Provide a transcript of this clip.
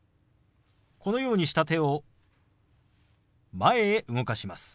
このようにした手を前へ動かします。